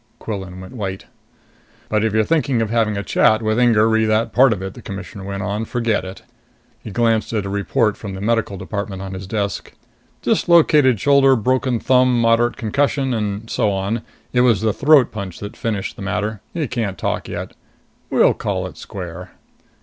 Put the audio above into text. Quillan went white. "But if you're thinking of having a chat with Inger re that part of it," the Commissioner went on, "forget it." He glanced at a report from the medical department on his desk. "Dislocated shoulder ... broken thumb ... moderate concussion. And so on. It was the throat punch that finished the matter. He can't talk yet. We'll call it square."